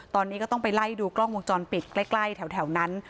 ตอนนี้ก็ต้องไปไล่ดูกล้องวงจรปิดใกล้แถวนั้น